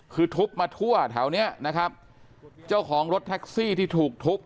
คือทุบมาทั่วแถวเนี้ยนะครับเจ้าของรถแท็กซี่ที่ถูกทุบ